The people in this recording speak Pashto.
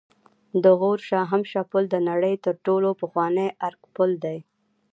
د غور شاهمشه پل د نړۍ تر ټولو پخوانی آرک پل دی